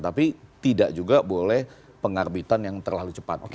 tapi tidak juga boleh pengarbitan yang terlalu cepat